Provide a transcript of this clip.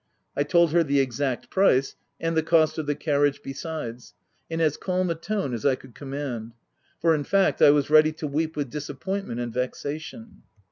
I told her the exact price, and the cost of the carriage besides, in as calm a tone as I could command — for in fact, I was ready to weep with disappointment and vexation.